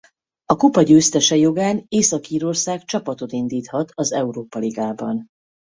A kupa győztese jogán Észak-Írország csapatot indíthat az Európa ligában.